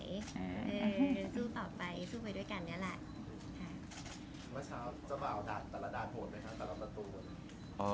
เออว่างเท้า่เรียนสู้ออกไปฝึกไปด้วยกันอย่างนี้แหละ